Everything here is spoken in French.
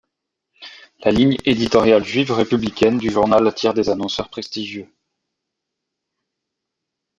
La ligne éditoriale juive républicaine du journal attire des annonceurs prestigieux.